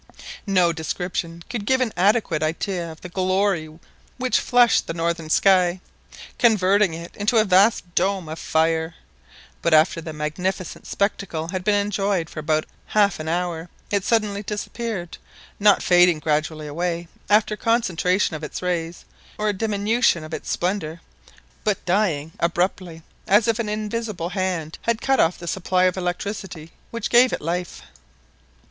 No description could give an adequate idea of the glory which flushed the northern sky, converting it into a vast dome of fire, but after the magnificent spectacle had been enjoyed for about half an hour, it suddenly disappeared not fading gradually away after concentration of its rays, or a diminution of its splendour, but dying abruptly, as if an invisible hand had cut off the supply of electricity which gave it life.